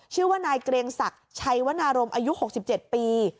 ชื่อว่านายเกรียงศักดิ์ชัยวนารมอายุ๖๗ปี